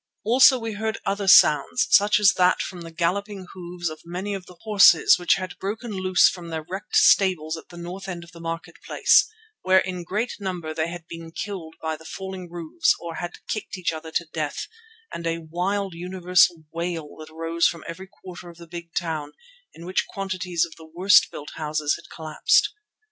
Also we heard other sounds, such as that from the galloping hoofs of many of the horses which had broken loose from their wrecked stables at the north end of the market place, where in great number they had been killed by the falling roofs or had kicked each other to death, and a wild universal wail that rose from every quarter of the big town, in which quantities of the worst built houses had collapsed.